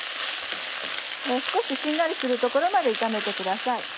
少ししんなりするところまで炒めてください。